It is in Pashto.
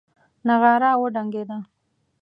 نغاره وډنګېده.